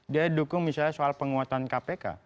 dia dukung misalnya soal penguatan kpk